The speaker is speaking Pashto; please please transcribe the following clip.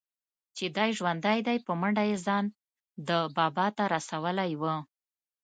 چې دى ژوندى دى په منډه يې ځان ده بابا ته رسولى و.